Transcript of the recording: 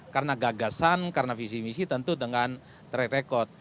karena gagasan karena visi misi tentu dengan track record